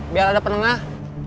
biar ada penengah